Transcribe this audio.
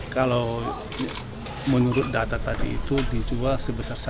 kalau menurut data tadi itu dijual sebesar satu